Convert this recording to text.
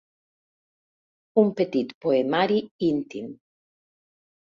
Un petit poemari íntim.